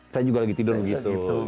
saya juga lagi tidur gitu